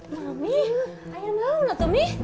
mami ayam laun tuh mih